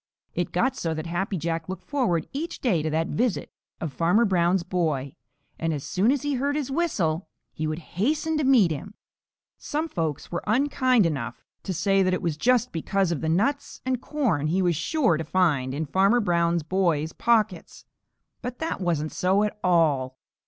It got so that Happy Jack looked forward each day to the visit of Farmer Brown's boy, and as soon as he heard his whistle, he would hasten to meet him. Some folks were unkind enough to say that it was just because of the nuts and corn he was sure to find in Farmer Brown's boy's pockets, but that wasn't so at all.